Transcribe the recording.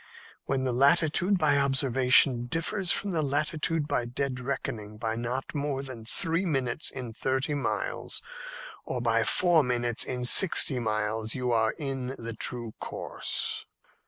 When the latitude by observation differs from the latitude by dead reckoning by not more than three minutes in thirty miles, or by four minutes in sixty miles, you are in the true course."